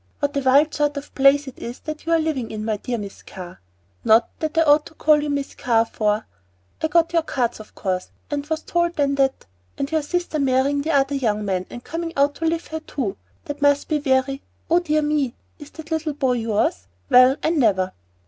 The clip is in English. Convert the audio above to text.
What a wild sort of place it is that you are living in, my dear Miss Carr not that I ought to call you Miss Carr, for I got your cards, of course, and I was told then that And your sister marrying the other young man and coming out to live here too! that must be very Oh, dear me! is that little boy yours? Well, I never!"